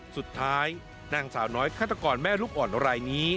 นางสาวน้อยฆาตกรแม่ลูกอ่อนรายนี้